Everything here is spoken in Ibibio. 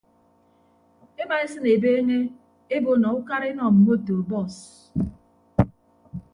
Emaesịn ebeeñe ebo nọ ukara enọ mmoto bọọs.